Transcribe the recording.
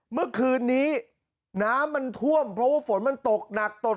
เมื่อคืนนี้น้ำมันท่วมเพราะว่าฝนมันตกหนักตก